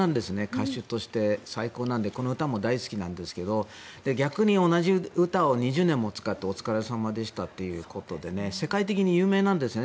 歌手として最高なのでこの歌も大好きなんですが逆に、同じ歌を２０年も使ってお疲れ様でしたということで世界的に有名なんですね。